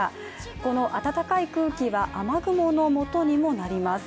この暖かい空気は、雨雲のもとにもなります。